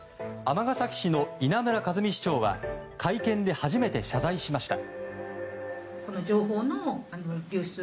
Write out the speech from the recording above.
尼崎市の稲村和美市長は会見で初めて謝罪しました。